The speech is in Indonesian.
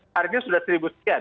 harganya sudah seribu sekian